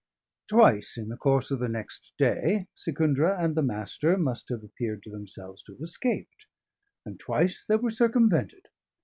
Twice in the course of the next day Secundra and the Master must have appeared to themselves to have escaped; and twice they were circumvented.